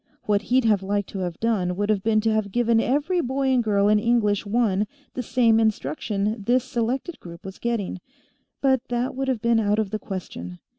What he'd have liked to have done would have been to have given every boy and girl in English I the same instruction this selected group was getting, but that would have been out of the question.